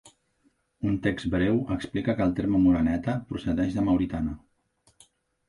Un text breu explica que el terme moreneta procedeix de mauritana.